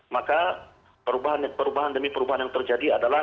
maka perubahan demi perubahan yang terjadi adalah